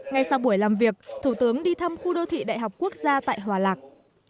ngay sau buổi làm việc thủ tướng đi thăm khu đô thị đại học quốc gia tại hòa lạc